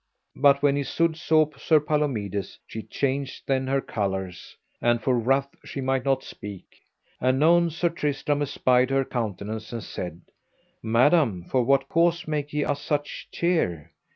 But when Isoud saw Sir Palomides she changed then her colours, and for wrath she might not speak. Anon Sir Tristram espied her countenance and said: Madam, for what cause make ye us such cheer?